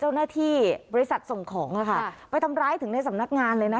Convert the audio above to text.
เจ้าหน้าที่บริษัทส่งของค่ะไปทำร้ายถึงในสำนักงานเลยนะ